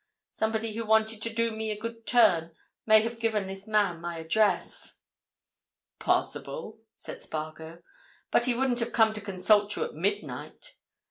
Somebody who wanted to do me a good turn may have given this man my address." "Possible," said Spargo. "But he wouldn't have come to consult you at midnight.